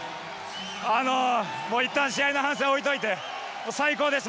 いったん試合の反省は置いておいて最高です！